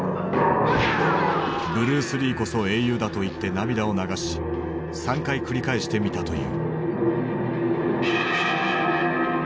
「ブルース・リーこそ英雄だ」と言って涙を流し３回繰り返して見たという。